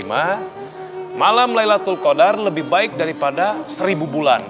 malam laylatul qadar lebih baik daripada seribu bulan